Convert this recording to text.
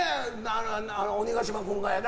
鬼が島君がやな。